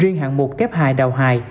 riêng hạng mục kép hài đào hài